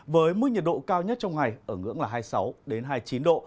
với mức nhiệt độ cao nhất trong ngày ở ngưỡng hai mươi sáu đến hai mươi chín độ